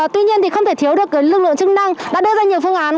tuy nhiên thì không thể thiếu được lực lượng chức năng đã đưa ra nhiều phương án